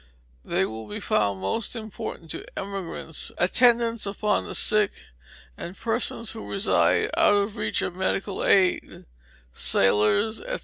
_They will be found most important to emigrants, attendants upon the sick, and persons who reside out of the reach of medical aid, sailors, &c.